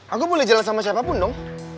aku boleh jalan sama siapapun dong